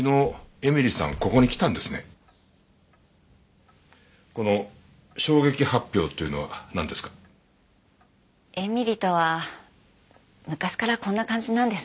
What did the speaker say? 絵美里とは昔からこんな感じなんです。